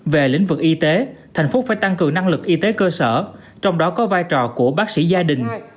về lĩnh vực y tế thành phố phải tăng cường năng lực y tế cơ sở trong đó có vai trò của bác sĩ gia đình